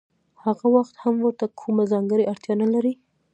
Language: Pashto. هغه وخت هم ورته کومه ځانګړې اړتیا نلري